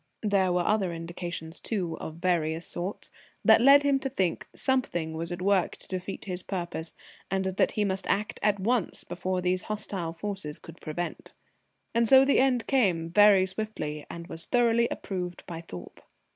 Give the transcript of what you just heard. There were other indications too, of various sorts, that led him to think something was at work to defeat his purpose, and that he must act at once before these hostile forces could prevent. And so the end came very swiftly, and was thoroughly approved by Thorpe.